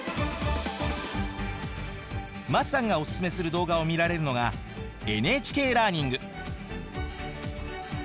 桝さんがオススメする動画を見られるのがＮＨＫラーニング。